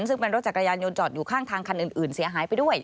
ซึ่งเป็นรถจักรยานยนต์จอดอยู่ข้างทางคันอื่นเสียหายไปด้วย